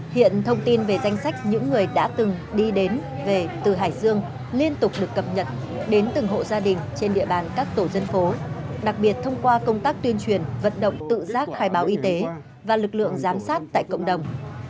hiện thông tin về danh sách những người đã từng đi đến về từ hải dương liên tục được cập nhật đến từng hộ gia đình trên địa bàn các tổ dân phố đặc biệt thông qua công tác tuyên truyền vận động tự giác khai báo y tế và lực lượng giám sát tại cộng đồng